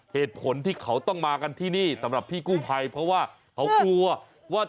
เหตุผลที่เขาต้องมากันที่นี่สำหรับพี่กู้ภัยเพราะว่าเขากลัวว่า